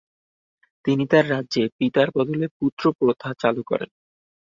তিনি তার রাজ্যে পিতার বদলে পুত্র প্রথা চালু করেন।